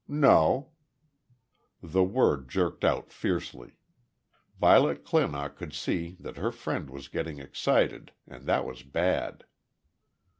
"No." The word jerked out fiercely. Violet Clinock could see that her friend was getting excited, and that was bad.